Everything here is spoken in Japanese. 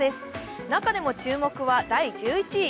中でも注目は第１１位。